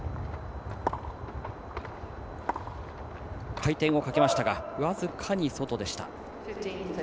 回転をかけましたが、僅かに外。